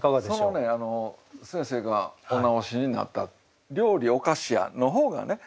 そのね先生がお直しになった「料理をかしや」の方がね